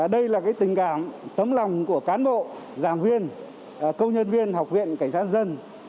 đây là tình cảm tấm lòng của cán bộ giảng viên công nhân viên học viện cảnh sát dân